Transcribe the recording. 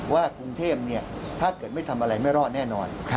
ว่ากรุงเทพถ้าเกิดไม่ทำอะไรไม่รอดแน่นอน